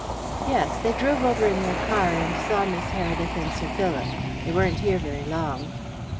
"Yes. They drove over in their car, and saw Miss Heredith and Sir Philip. They weren't here very long."